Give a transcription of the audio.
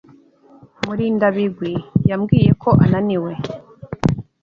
Murindabigwi yambwiye ko ananiwe.